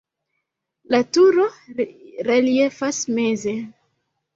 La turo reliefas meze.